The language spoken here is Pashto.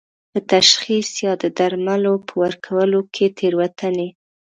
په تشخیص یا د درملو په ورکولو کې تېروتنې